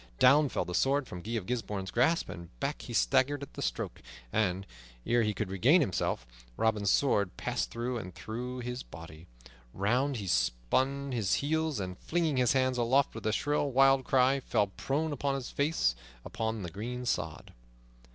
Down fell the sword from Guy of Gisbourne's grasp, and back he staggered at the stroke, and, ere he could regain himself, Robin's sword passed through and through his body. Round he spun upon his heel, and, flinging his hands aloft with a shrill, wild cry, fell prone upon his face upon the green sod.